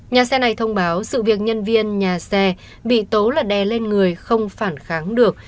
nhà xe này thông báo sự việc nhân viên nhà xe bị tố là đè lên người không phản kháng được